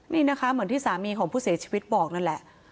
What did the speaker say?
นี่นะคะเหมือนที่สามีของผู้เสียชีวิตบอกนั่นแหละ